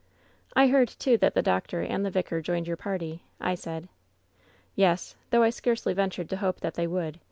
" *I heard, too, that the doctor and the vicar joined your party,' I said. "^ Yes ; though I scarcely ventured to hope that they would.